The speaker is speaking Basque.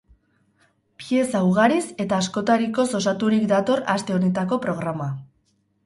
Pieza ugariz eta askotarikoz osaturik dator aste honetako programa.